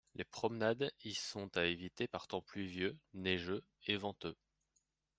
Les promenades y sont à éviter par temps pluvieux, neigeux et venteux.